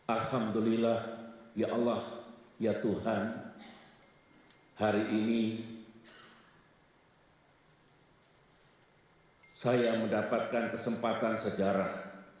alhamdulillah ya allah ya tuhan hari ini saya mendapatkan kesempatan sejarah